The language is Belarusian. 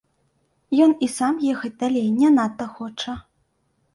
Ён і сам ехаць далей не надта хоча.